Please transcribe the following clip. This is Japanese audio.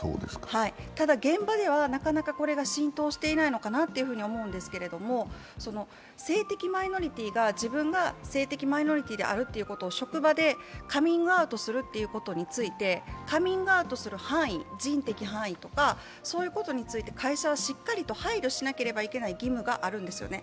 ただ、現場ではなかなかこれが浸透していないのかなと思うんですけれども、性的マイノリティが、自分が性的マイノリティであるということを職場でカミングアウトすることについて、カミングアウトする人的範囲とか、そういうことについて、会社はしっかりと配慮しなければいけない義務があるんですよね。